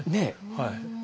はい。